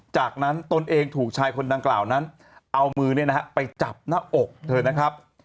จากนั้นตนเองถูกชายคนดังกล่าวนั้นเอามือไปจับหน้าอกเธอนะครับ